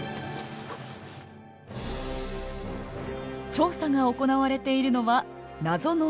調査が行われているのは謎のエリア。